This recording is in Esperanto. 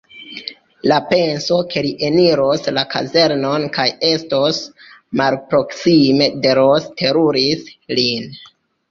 La penso, ke li eniros la kazernon kaj estos malproksime de Ros, teruris lin.